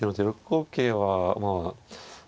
６五桂はまあ。